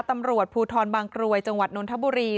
ตำรวจภูทรบางกรวยจังหวัดนนทบุรี